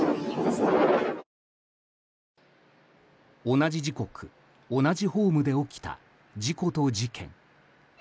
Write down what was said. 同じ時刻、同じホームで起きた事故と事件。